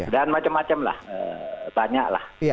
dan macam macam lah banyak lah